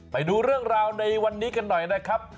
ไปดูเรื่องราวในวันนี้กันหน่อยนะครับ